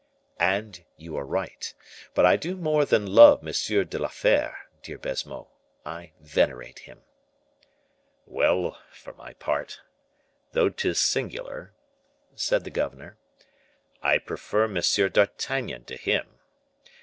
"And you are right. But I do more than love M. de la Fere, dear Baisemeaux; I venerate him." "Well, for my part, though 'tis singular," said the governor, "I prefer M. d'Artagnan to him.